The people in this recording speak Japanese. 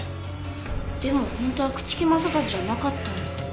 でも本当は朽木政一じゃなかったんだ。